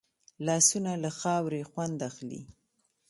لاسونه له خاورې خوند اخلي